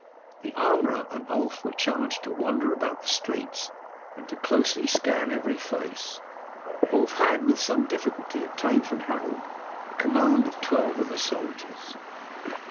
The armourer and Ulf were charged to wander about the streets, and to closely scan every face. Wulf had with some difficulty obtained from Harold the command of twelve of the soldiers.